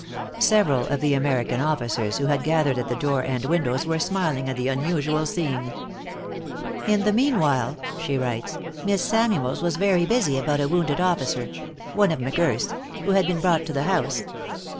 Several of the American officers, who had gathered at the door and window, were smiling at the unusual scene. "In the meanwhile," she writes, "Miss Samuells was very busy about a wounded officer, (one of M'Girth's,) who had been brought to the house.